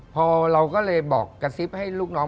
พอเราก็เลยบอกกระซิบให้ลูกน้อง